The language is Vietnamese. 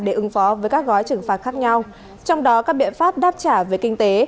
để ứng phó với các gói trừng phạt khác nhau trong đó các biện pháp đáp trả về kinh tế